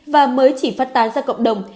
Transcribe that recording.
và mới chỉ phát tán ra cộng đồng